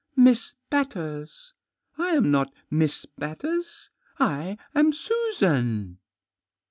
"Miss Batters. I am not Miss Batters. I am Susan."